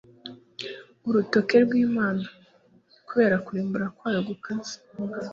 «urutoke rw' Imana». Kubera ukurimbura kwayo gukaze